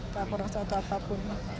kalau orang satu apapun